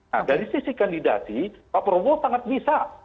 nah dari sisi kandidasi pak prabowo sangat bisa